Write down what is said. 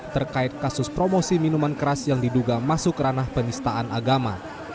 terkait kasus promosi minuman keras yang diduga masuk ranah penistaan agama